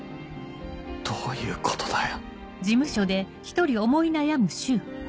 どういうことだよ？